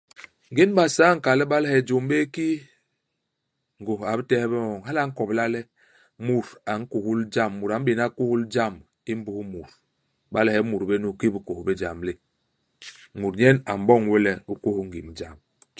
Ngén i Basaa i nkal le iba le he jôm bé ki ngôs a bitehe bé ñoñ. Hala a nkobla le mut a nkuhul jam mut a m'béna kuhul jam i mbus mut. Iba le he imut bé nu, ki u bikôs bé ijam li. Mut nyen a m'boñ we le u kôs ngim jam.